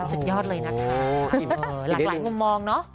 สุดยอดเลยนะคะหลากหลายมุมมองเนาะ